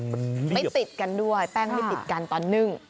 มันไม่ติดกันด้วยแป้งไม่ติดกันตอนนึ่ง